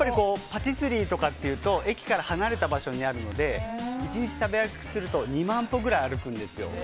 パティスリーとかというと駅から離れた場所にあるので１日食べ歩きすると２万歩ぐらい歩くんですよ。